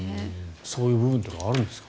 そういう部分というのはあるんですかね。